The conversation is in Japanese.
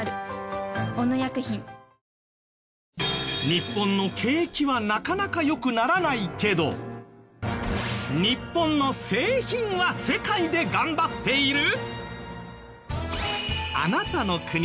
日本の景気はなかなかよくならないけど日本の製品は世界で頑張っている！？